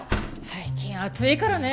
最近暑いからね。